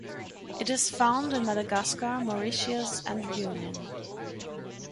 It is found in Madagascar, Mauritius and Reunion.